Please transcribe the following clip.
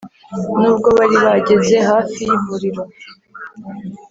nubwo bari bageze hafi y’ivuriro